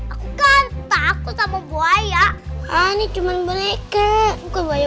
aku banyak ah aku banyak ah aku banyak ah aku banyak ah hodik